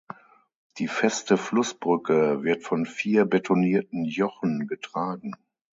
Die feste Flussbrücke wird von vier betonierten Jochen getragen.